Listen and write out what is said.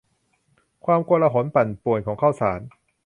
ความโกลาหลปั่นป่วนของข่าวสาร